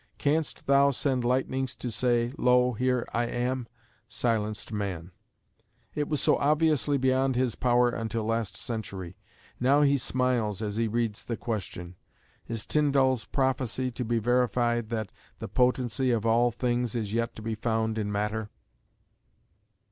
"Canst thou send lightnings to say 'Lo, here I am'?" silenced man. It was so obviously beyond his power until last century. Now he smiles as he reads the question. Is Tyndal's prophecy to be verified that "the potency of all things is yet to be found in matter"?